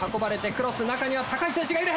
クロス、中にはたかい選手がいる。